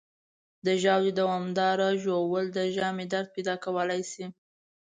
د ژاولې دوامداره ژوول د ژامې درد پیدا کولی شي.